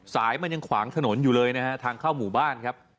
สายมันยังขวางถนนอยู่เลยนะฮะทางเข้าหมู่บ้านครับ